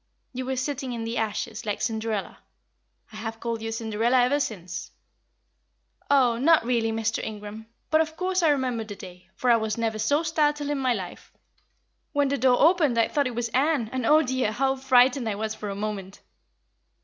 You were sitting in the ashes, like Cinderella. I have called you Cinderella ever since." "Oh, not really, Mr. Ingram! But, of course, I remember the day, for I was never so startled in my life. When the door opened I thought it was Ann, and, oh dear, how frightened I was for a moment!"